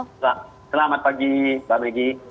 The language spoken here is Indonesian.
selamat pagi mbak begi